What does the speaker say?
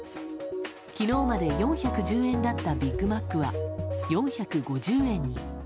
昨日まで４１０円だったビッグマックは、４５０円に。